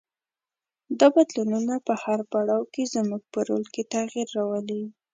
دا بدلونونه په هر پړاو کې زموږ په رول کې تغیر راولي.